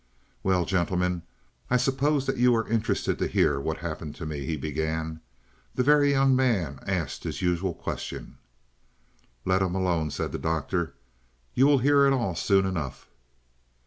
"Well, gentlemen, I suppose that you are interested to hear what happened to me," he began. The Very Young Man asked his usual question. "Let him alone," said the Doctor. "You will hear it all soon enough."